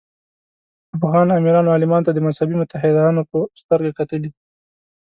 افغان امیرانو عالمانو ته د مذهبي متحدانو په سترګه کتلي.